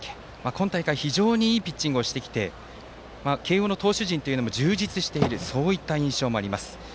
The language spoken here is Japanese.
今大会いいピッチングをしてきて慶応の投手陣も充実しているそういった印象もあります。